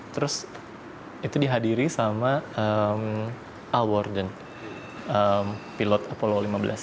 terus itu dihadiri sama al worden pilot polo lima belas